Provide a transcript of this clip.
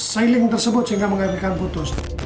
sailing tersebut sehingga mengatakan putus